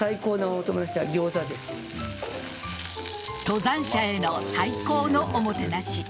登山者への最高のおもてなし